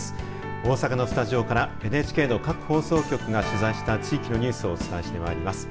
大阪のスタジオからＮＨＫの各放送局が取材した地域のニュースをお伝えしてまいります。